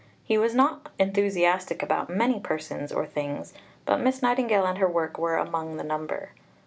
He was not enthusiastic about many persons or things, but Miss Nightingale and her work were among the number.